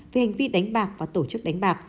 về hành vi đánh bạc và tổ chức đánh bạc